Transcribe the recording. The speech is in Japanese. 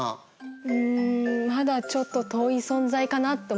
うんまだちょっと遠い存在かなと思います。